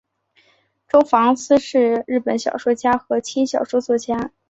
周防司是日本的小说家和轻小说作家。